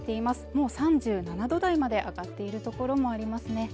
もう３７度台まで上がっているところもありますね